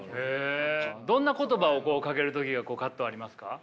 どんな言葉をかける時が葛藤ありますか？